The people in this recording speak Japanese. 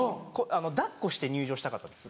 抱っこして入場したかったです。